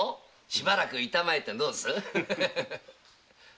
しばらく“いたまえ”ってどうです？